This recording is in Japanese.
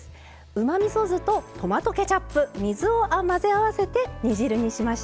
うまみそ酢とトマトケチャップ水を混ぜ合わせて煮汁にしました。